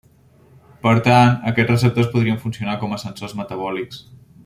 Per tant, aquests receptors podrien funcionar com a sensors metabòlics.